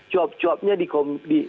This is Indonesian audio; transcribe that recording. cua cua di komisi